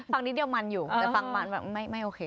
นิดเดียวมันอยู่แต่ฟังมันไม่โอเค